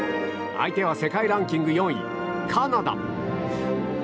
相手は世界ランキング４位、カナダ。